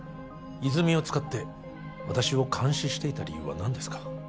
泉を使って私を監視していた理由は何ですか？